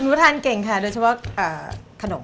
หนูทานเก่งค่ะโดยเฉพาะขนม